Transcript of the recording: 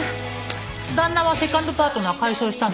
旦那はセカンドパートナー解消したの？